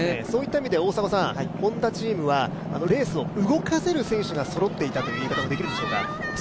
そういった意味で、Ｈｏｎｄａチームはレースを動かせる選手がそろっていたという言い方もできるんでしょうか？